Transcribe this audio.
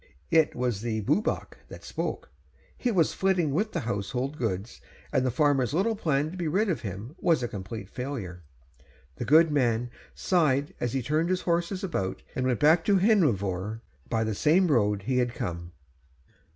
It was the Bwbach that spoke. He was flitting with the household goods, and the farmer's little plan to be rid of him was a complete failure. The good man sighed as he turned his horses about and went back to Hendrefawr by the same road he had come.